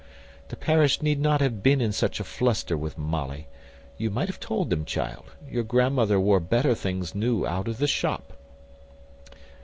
The parish need not have been in such a fluster with Molly. You might have told them, child, your grandmother wore better things new out of the shop."